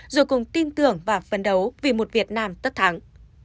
rồi cùng tin tưởng và phấn đấu vì một việt nam tất thắng